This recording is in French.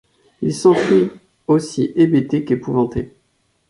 Il s'enfuit, aussi hébété qu'épouvanté...